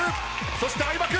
そして相葉君。